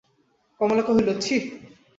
কমলা কহিল, ছি!